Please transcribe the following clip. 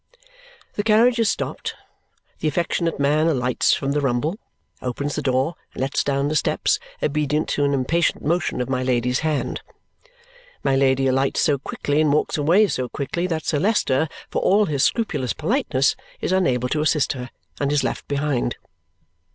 The carriage is stopped, the affectionate man alights from the rumble, opens the door, and lets down the steps, obedient to an impatient motion of my Lady's hand. My Lady alights so quickly and walks away so quickly that Sir Leicester, for all his scrupulous politeness, is unable to assist her, and is left behind.